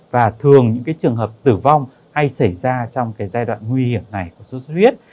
và thường những trường hợp tử vong hay xảy ra trong cái giai đoạn nguy hiểm này của sốt xuất huyết